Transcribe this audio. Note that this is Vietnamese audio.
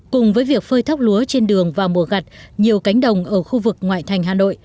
cùng với việc phơi thóc lúa trên đường vào mùa gặt nhiều cánh đồng ở khu vực ngoại thành hà nội